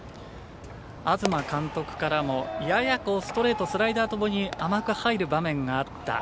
東監督からもややストレートスライダーともに甘く入る場面があった。